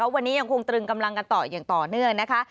วันนี้ยังคงตรึงกำลังกันต่ออย่างต่อเนื่องนะคะ